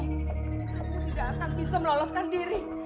ketika akan bisa meloloskan diri